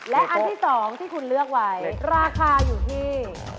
และอันที่๒ที่คุณเลือกไว้ราคาอยู่ที่